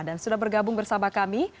dan sudah bergabung bersama kami